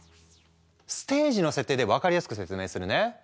ステージの設定で分かりやすく説明するね。